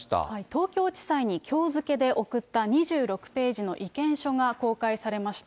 東京地裁にきょう付けで送った２６ページの意見書が公開されました。